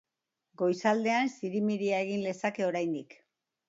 Goizaldean zirimiria egin lezake oraindik.